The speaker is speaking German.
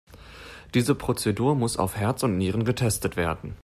Diese Prozedur muss auf Herz und Nieren getestet werden.